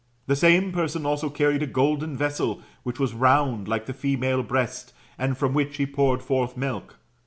The same person also carried a golden vessel, which was round like the female breast, and from which he poured forth milk.